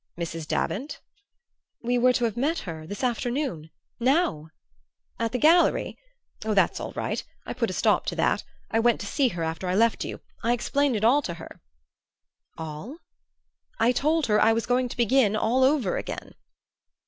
"Mrs. Davant?" "We were to have met her this afternoon now " "At the gallery? Oh, that's all right. I put a stop to that; I went to see her after I left you; I explained it all to her." "All?" "I told her I was going to begin all over again."